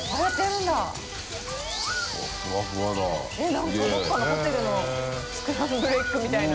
何かどっかのホテルのスクランブルエッグみたいな。